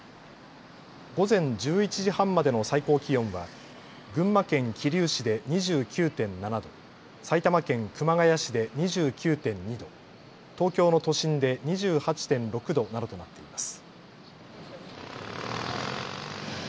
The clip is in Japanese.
午前１１時半までの最高気温は群馬県桐生市で２９．７度、埼玉県熊谷市で２９．２度、東京の都心で２８．６度などとなっています。